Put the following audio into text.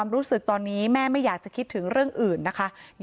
อยากจะให้ลูกชายด้วยแม่ครับ